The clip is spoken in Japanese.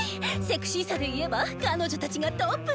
セクシーさで言えば彼女たちがトップね。